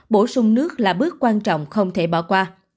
bổ sung nước là bước quan trọng không thể bỏ qua